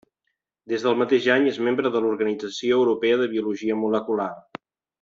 Des del mateix any és membre de l'Organització Europea de Biologia Molecular.